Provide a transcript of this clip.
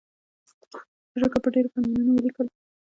اشوکا په ډبرو فرمانونه ولیکل.